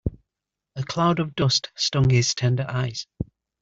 A cloud of dust stung his tender eyes.